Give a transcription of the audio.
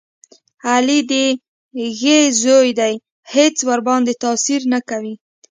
علي د یږې زوی دی هېڅ ورباندې تاثیر نه کوي.